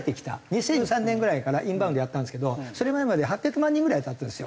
２００３年くらいからインバウンドやったんですけどその前までは８００万人ぐらいだったんですよ。